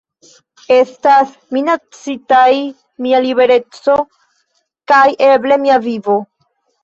Estas minacitaj mia libereco kaj eble mia vivo.